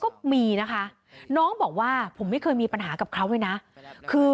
ก็มีนะคะน้องบอกว่าผมไม่เคยมีปัญหากับเขาเลยนะคือ